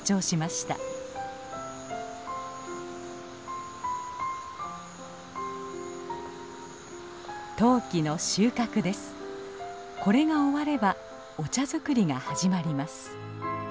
これが終わればお茶作りが始まります。